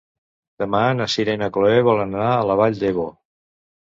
Demà na Sira i na Chloé volen anar a la Vall d'Ebo.